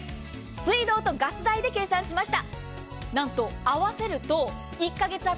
水道とガス代で計算しました。